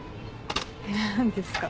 何ですか？